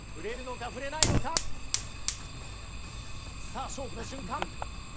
さあ勝負の瞬間。